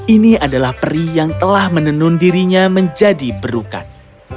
ini adalah peri yang telah menenun dirinya menjadi berukat